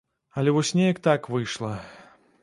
Але вось неяк так выйшла.